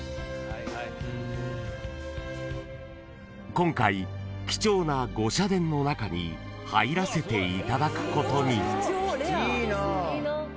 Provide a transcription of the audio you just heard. ［今回貴重な御社殿の中に入らせていただくことに］